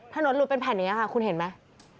ถนนหลุดเป็นแผ่นอย่างนี้ค่ะคุณเห็นไหม